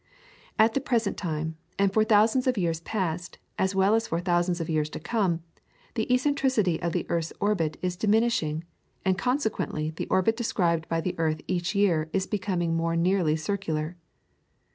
At the present time, and for thousands of years past, as well as for thousands of years to come, the eccentricity of the earth's orbit is diminishing, and consequently the orbit described by the earth each year is becoming more nearly circular.